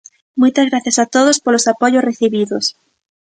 Moitas grazas a todos polos apoios recibidos.